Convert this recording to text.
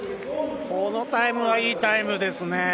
このタイムはいいタイムですね。